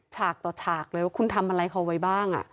ฉากต่อฉากเลยว่าคุณทำอะไรเขาไว้บ้าง